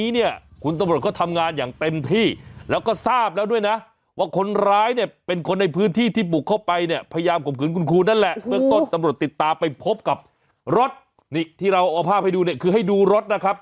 นี่ที่เราเอาภาพให้ดูเนี่ยคือให้ดูรถนะครับ